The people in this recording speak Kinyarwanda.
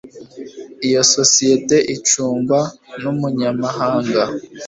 Iyo sosiyete icungwa numunyamahanga.